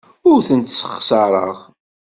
Ur tent-ssexṣareɣ.